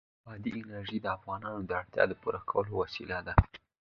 بادي انرژي د افغانانو د اړتیاوو د پوره کولو وسیله ده.